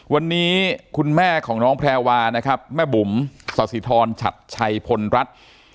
วันนี้คุณแม่ของน้องแพรวานะครับแม่บุ๋มสสิทรชัดชัยพลรัฐ